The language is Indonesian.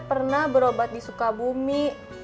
pernah berobat di sukabumi